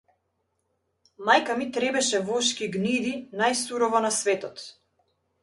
Мајка ми требеше вошки и гниди најсурово на светот.